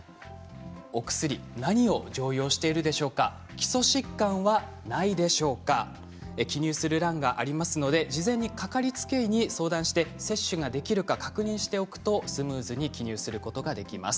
お薬、何を常用しているでしょうか基礎疾患はないでしょうか記入する欄がありますので事前に掛かりつけ医に相談して接種できるかどうか確認しておくと、スムーズに記入することができます。